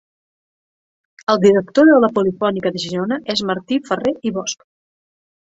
El director de la Polifònica de Girona és Martí Ferrer i Bosch.